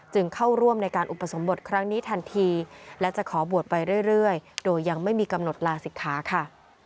เข้าร่วมในการอุปสมบทครั้งนี้ทันทีและจะขอบวชไปเรื่อยโดยยังไม่มีกำหนดลาศิกขาค่ะ